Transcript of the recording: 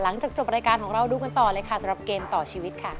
หลังจากจบรายการของเราดูกันต่อเลยค่ะสำหรับเกมต่อชีวิตค่ะ